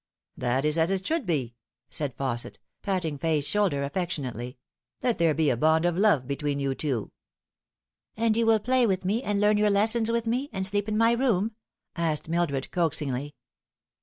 " That is as it should be," said Fausset, patting Fay's shoulder affectionately. " Let there be a bond of love between you two." " And will you play with me, and learn your lessons with me, and sleep in my room ?" asked Mildred coaxingly.